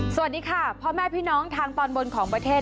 สวัสดีค่ะพ่อแม่พี่น้องทางตอนบนของประเทศ